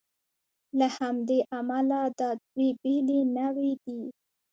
له همدې امله دا دوې بېلې نوعې دي.